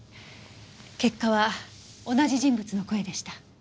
結果は同じ人物の声でした。